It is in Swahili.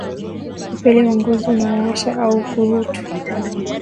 Upele wa Ngozi Unaowasha au Ukurutu